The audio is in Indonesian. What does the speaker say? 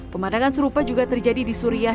pemandangan serupa juga terjadi di suriah